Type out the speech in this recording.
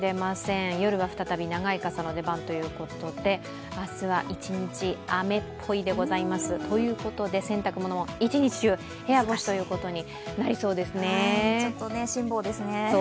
夜は、再び長い傘の出番ということで、明日は一日雨っぽいでございます、ということで洗濯物も一日中部屋干しということで。